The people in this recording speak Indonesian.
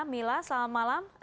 mila selamat malam